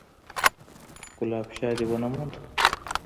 _ګلاب شاه دې ونه موند؟